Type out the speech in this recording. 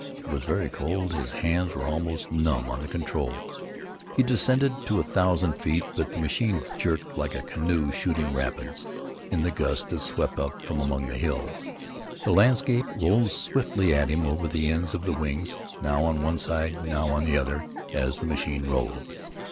It was very cold. His hands were almost numb on the control. He descended to a thousand feet, but the machine jerked like a canoe shooting rapids, in the gust that swept up from among the hills. The landscape rose swiftly at him over the ends of the wings, now on one side, now on the other, as the machine rolled.